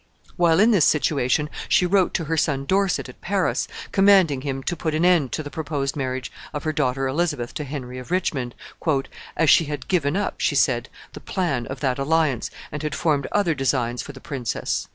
While in this situation, she wrote to her son Dorset,[R] at Paris, commanding him to put an end to the proposed marriage of her daughter Elizabeth to Henry of Richmond, "as she had given up," she said, "the plan of that alliance, and had formed other designs for the princess."